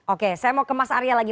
oke saya mau ke mas arya lagi